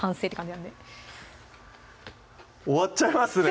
なんで終わっちゃいますね